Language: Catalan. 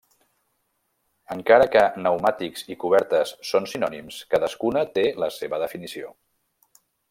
Encara que pneumàtics i cobertes són sinònims, cadascuna té la seva definició.